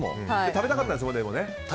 食べたかったんですよね。